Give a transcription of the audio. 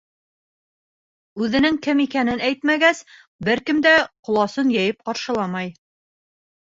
Үҙенең кем икәнен әйтмәгәс, бер кем дә ҡоласын йәйеп ҡаршыламай.